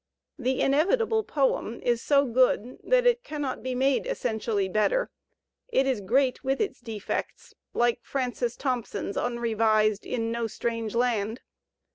The inevitable poem is so good that it cannot be made essentially better; it is great with its defects like Frauds Thompson's imrevised "In No Strange Land."